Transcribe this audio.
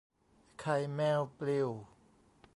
ไข่แมวปลิว